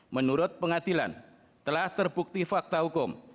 menurut pengadilan telah terbukti fakta hukum